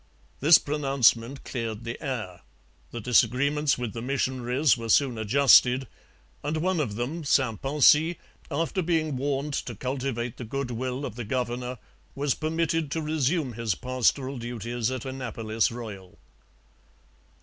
This pronouncement cleared the air; the disagreements with the missionaries were soon adjusted; and one of them, St Poncy, after being warned to cultivate the goodwill of the governor, was permitted to resume his pastoral duties at Annapolis Royal.